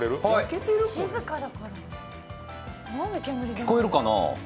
聞こえるかな？